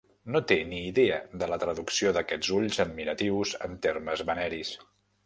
No té ni idea de la traducció d'aquests ulls admiratius en termes veneris.